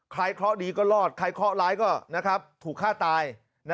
เคราะห์ดีก็รอดใครเคราะหร้ายก็ถูกฆ่าตาย